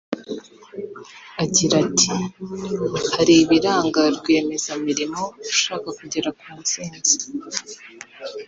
Agira ati “ Hari ibiranga rwiyemezamirimo ushaka kugera ku ntsinzi